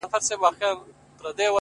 کومه ورځ چي تاته زه ښېرا کوم!